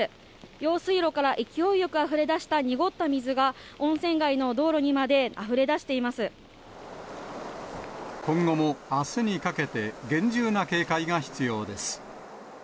用水路から勢いよくあふれ出した濁った水が、温泉街の道路にまで今後もあすにかけて、厳重な警戒が必要です。